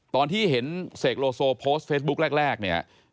ตอนที่เห็นเสกโลโซโพสต์เฟซบุ๊คแรกเนี่ย